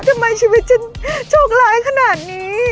ทำไมชีวิตฉันโชคร้ายขนาดนี้